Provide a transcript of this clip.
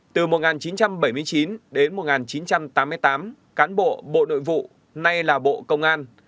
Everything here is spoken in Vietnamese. từ một nghìn chín trăm bảy mươi chín đến một nghìn chín trăm tám mươi tám cán bộ bộ nội vụ nay là bộ công an